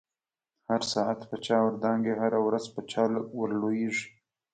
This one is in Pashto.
هر ساعت په چاور دانگی، هره ورځ په چا ورلویږی